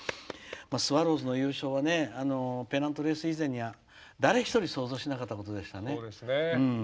スワローズの優勝はペナントレース以前には誰一人想像しなかったことでしたね。